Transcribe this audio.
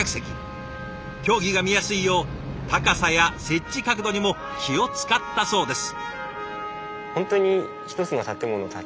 競技が見やすいよう高さや設置角度にも気を遣ったそうです。